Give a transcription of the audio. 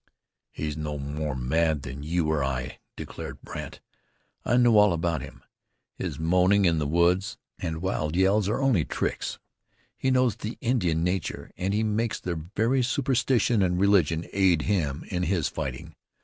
"He's no more mad than you or I," declared Brandt. "I know all about him. His moaning in the woods, and wild yells are only tricks. He knows the Indian nature, and he makes their very superstition and religion aid him in his fighting.